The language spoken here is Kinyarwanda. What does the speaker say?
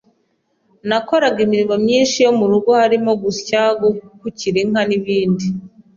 Nakoraga imirimo myinshi yo mu rugo harimo gusya, gukukira inka n’ibindi